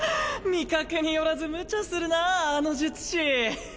見かけによらずむちゃするなぁあの術師。